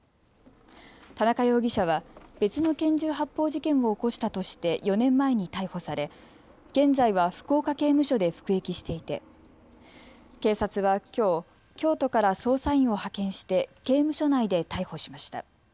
田中容疑者は別の拳銃発砲事件を起こしたとして４年前に逮捕され、現在は福岡刑務所で服役していて警察はきょう京都から捜査員を派遣して刑務所内で逮捕しました。